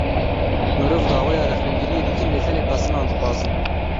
Mirov daweya rexnegiriyê dikin lê tenê pesinan dixwazin.